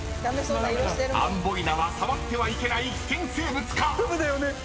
［アンボイナは触ってはいけない危険生物か？］